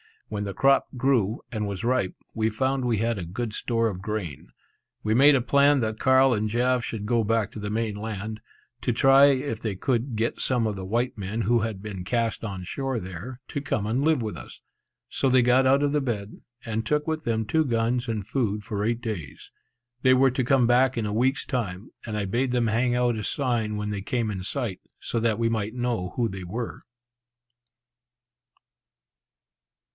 When the crop grew, and was ripe, we found we had a good store of grain. We made a plan that Carl and Jaf should go back to the main land, to try if they could get some of the white men who had been cast on shore there, to come and live with us; so they got out the boat, and took with them two guns and food for eight days. They were to come back in a week's time, and I bade them hang out a sign when they came in sight, so that we might know who they were.